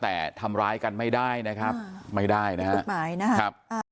แต่ทำร้ายกันไม่ได้นะครับไม่ได้นะฮะกฎหมายนะครับ